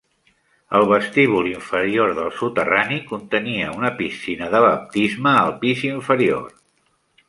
El vestíbul inferior del soterrani contenia una piscina de baptisme al pis inferior.